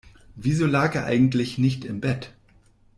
Wieso lag er eigentlich nicht im Bett?